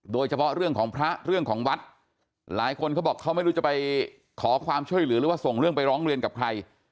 โดยเฉพาะเรื่องของพระเรื่องของวัดหลายคนเขาบอกเขาไม่รู้จะไปขอความช่วยเหลือหรือว่าส่งเรื่องไปร้องเรียนกับใคร